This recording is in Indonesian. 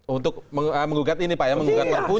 untuk menggugat ini pak ya menggugat perpu